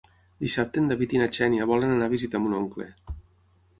Dissabte en David i na Xènia volen anar a visitar mon oncle.